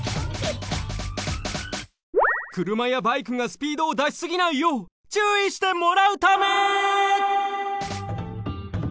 くるまやバイクがスピードをだしすぎないよう注意してもらうため！